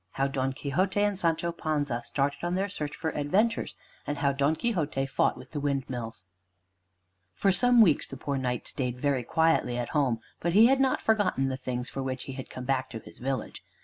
III HOW DON QUIXOTE AND SANCHO PANZA STARTED ON THEIR SEARCH FOR ADVENTURES; AND HOW DON QUIXOTE FOUGHT WITH THE WINDMILLS For some weeks the poor Knight stayed very quietly at home. But he had not forgotten the things for which he had come back to his village.